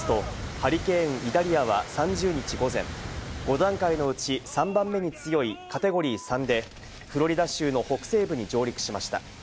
ハリケーンのイダリアは３０日午前、５段階のうち３番目に強いカテゴリー３で、フロリダ州の北西部に上陸しました。